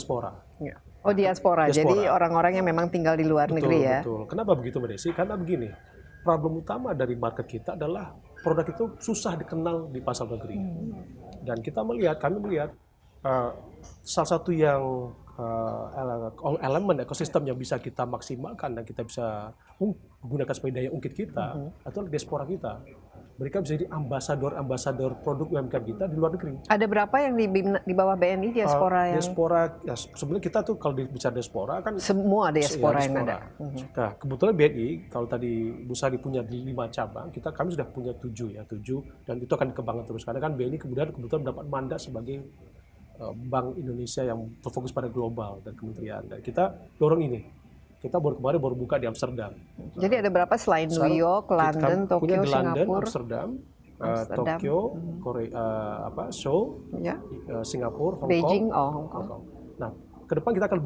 london tokyo dan amsterdam tokyo korea apa show ya singapura beijing hongkong kedepan kita akan